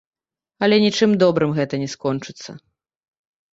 Але нічым добрым гэта не скончыцца.